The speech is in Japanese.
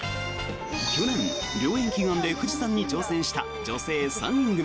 去年、良縁祈願で富士山に挑戦した女性３人組。